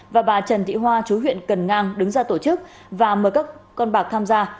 và bà trần thị hoa chú huyện cần ngang đứng ra tổ chức và mời các con bạc tham gia